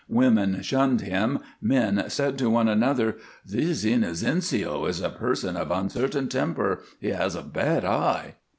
Women shunned him, men said to one another: "This Inocencio is a person of uncertain temper. He has a bad eye."